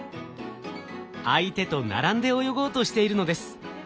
相手と並んで泳ごうとしているのです。